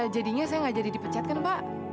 jadinya saya nggak jadi dipecat kan pak